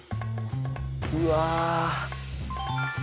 うわ！